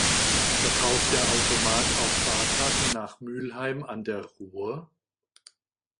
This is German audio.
Verkauft der Automat auch Fahrkarten nach Mülheim an der Ruhr?